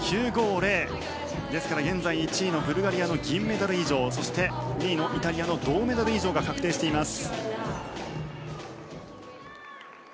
ですから現在１位のブルガリアの銀メダル以上そして、２位のイタリアの銅メダル以上が確定しています。